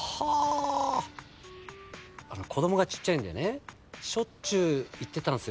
子供がちっちゃいんでねしょっちゅう行ってたんです。